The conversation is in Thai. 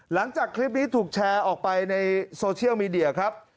หลังจากคลิปนี้ถูกแชร์ออกไปในโซเชียลมีเดียครับ